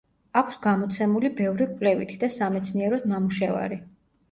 აქვს გამოცემული ბევრი კვლევითი და სამეცნიერო ნამუშევარი.